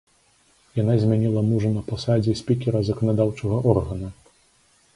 Яна змяніла мужа на пасадзе спікера заканадаўчага органа.